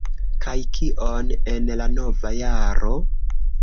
Kaj kion en la nova jaro?